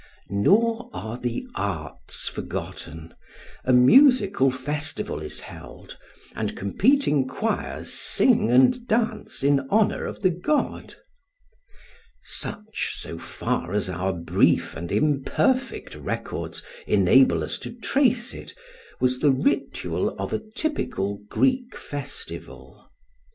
Nor are the arts forgotten; a musical festival is held, and competing choirs sing and dance in honour of the god. Such, so far as our brief and imperfect records enable us to trace it, was the ritual of a typical Greek festival.